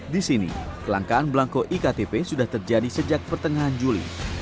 di sini kelangkaan belangko iktp sudah terjadi sejak pertengahan juli